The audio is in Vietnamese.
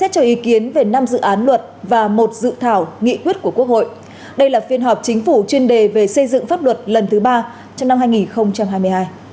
các bạn hãy đăng ký kênh để ủng hộ kênh của chúng mình nhé